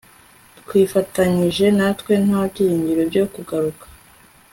Twifatanije natwe nta byiringiro byo kugaruka